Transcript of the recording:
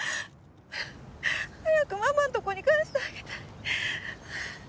☎早くママんとこに返してあげたい